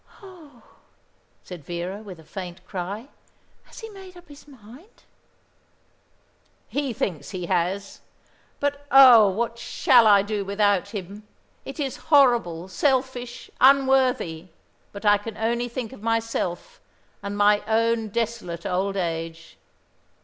"Oh!" said Vera, with a faint cry. "Has he made up his mind?" "He thinks he has. But oh, what shall I do without him? It is horrible, selfish, unworthy; but I can only think of myself and my own desolate old age.